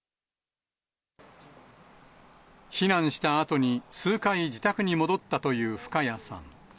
避難したあとに数回自宅に戻ったという深谷さん。